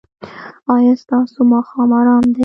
ایا ستاسو ماښام ارام دی؟